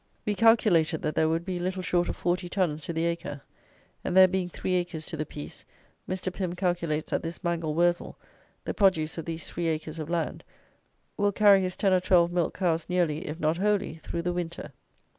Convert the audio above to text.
We calculated that there would be little short of forty tons to the acre; and there being three acres to the piece, Mr. Pym calculates that this mangel wurzel, the produce of these three acres of land, will carry his ten or twelve milch cows nearly, if not wholly, through the winter.